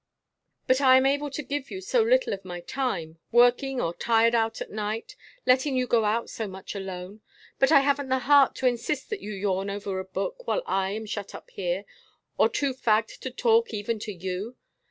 "But I am able to give you so little of my time. Working or tired out at night letting you go out so much alone but I haven't the heart to insist that you yawn over a book, while I am shut up here, or too fagged to talk even to you.